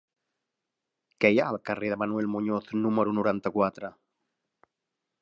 Què hi ha al carrer de Manuel Muñoz número noranta-quatre?